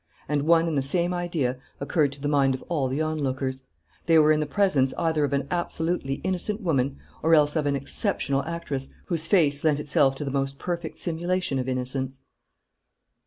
And one and the same idea occurred to the mind of all the onlookers. They were in the presence either of an absolutely innocent woman or else of an exceptional actress whose face lent itself to the most perfect simulation of innocence.